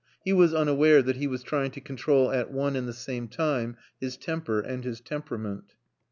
He was unaware that he was trying to control at one and the same time his temper and his temperament.